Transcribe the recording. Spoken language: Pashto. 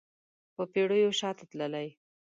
په پیړیو شاته تللی